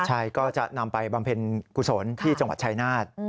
ใช่ก็จะนำไปบำเพ็ญกุศลที่จังหวัดชายนาฏ